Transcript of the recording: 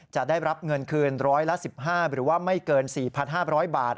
จะได้รับเงินคืนร้อยละ๑๕หรือว่าไม่เกิน๔๕๐๐บาท